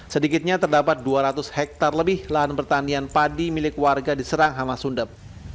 sedikitnya terdapat dua ratus hektare lebih lahan pertanian padi milik warga diserang hama sundep